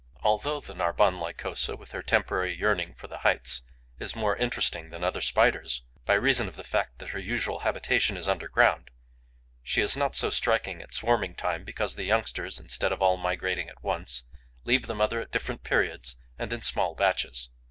Although the Narbonne Lycosa, with her temporary yearning for the heights, is more interesting than other Spiders, by reason of the fact that her usual habitation is underground, she is not so striking at swarming time, because the youngsters, instead of all migrating at once, leave the mother at different periods and in small batches.